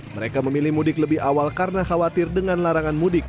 mereka memilih mudik lebih awal karena khawatir dengan larangan mudik